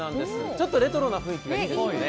ちょっとレトロな雰囲気がいいですね。